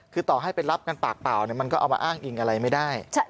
คือต่อให้ไปรับกันปากเปล่ามันก็เอามาอ้างอิงอะไรไม่ได้